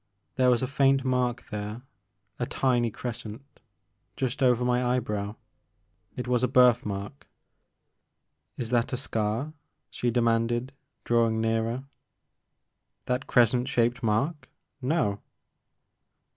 There was a faint mark there, a tiny crescent, just over my eyebrow. It was a birthmark. *'Is that a scar?" she demanded drawing nearer. " That crescent shaped mark ? No.'